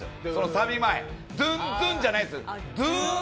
サビ前、ドゥンドゥンじゃないドゥン！